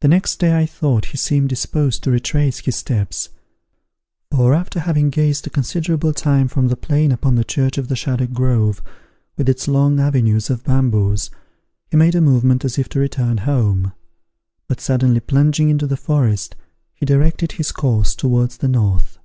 The next day I thought he seemed disposed to retrace his steps; for, after having gazed a considerable time from the plain upon the church of the Shaddock Grove, with its long avenues of bamboos, he made a movement as if to return home; but suddenly plunging into the forest, he directed his course towards the north.